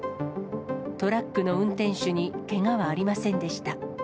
トラックの運転手にけがはありませんでした。